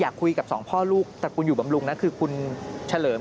คุยกับสองพ่อลูกตระกูลอยู่บำรุงนะคือคุณเฉลิม